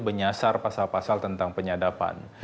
menyasar pasal pasal tentang penyadapan